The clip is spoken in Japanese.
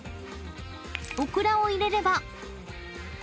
［オクラを入れれば］